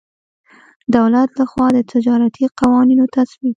دولت له خوا د تجارتي قوانینو تصویب.